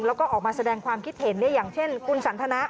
แล้วก็ออกมาแสดงความคิดเห็นอย่างเช่นคุณสันทนะ